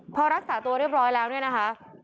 พอรักษาตัวเรียบร้อยแล้วเนี่ยนะคะ